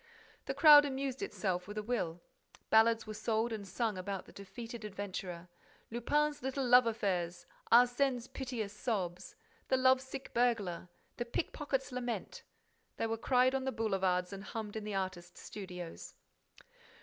The crowd amused itself with a will. Ballads were sold and sung about the defeated adventurer: Lupin's Little Love Affairs!—Arsène's Piteous Sobs!—The Lovesick Burglar! The Pickpocket's Lament!—They were cried on the boulevards and hummed in the artists' studios.